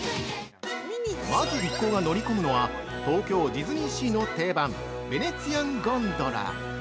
まず一行が乗り込むのは東京ディズニーシーの定番「ヴェネツィアン・ゴンドラ」。